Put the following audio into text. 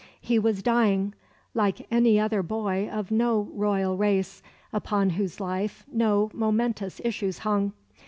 He was dying, like any other boy of no royal race, upon whose life no momentous issues hung.